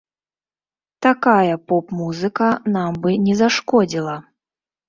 Такая поп-музыка нам бы не зашкодзіла.